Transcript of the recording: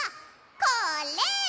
これ！